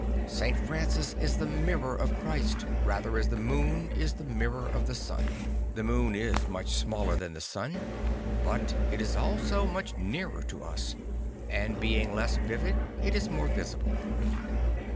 St. Francis is the mirror of Christ rather as the moon is the mirror of the sun. The moon is much smaller than the sun, but it is also much nearer to us; and being less vivid it is more visible.